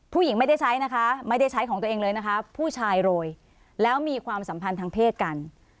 ผู้หญิงไม่ได้ใช้นะคะไม่ได้ใช้ของตัวเองเลยนะคะผู้ชายโรยแล้วมีความสัมพันธ์ทางเพศกัน